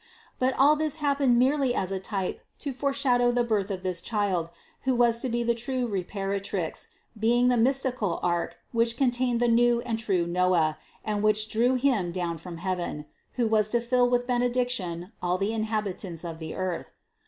But all this happened merely as a type to foreshadow the birth of this Child, who was to be the true Reparatrix, being the mystical ark which contained the new and true Noah and which drew Him down from heaven, who was to fill with benediction all the inhabitants of the earth.